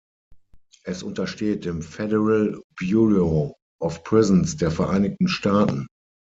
Es untersteht dem Federal Bureau of Prisons der Vereinigten Staaten.